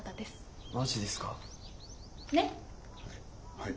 はい。